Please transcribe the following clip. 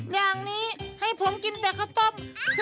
อย่างนี้ให้ผมกินแต่ข้าวต้ม